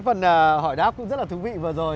phần hỏi đáp cũng rất là thú vị vừa rồi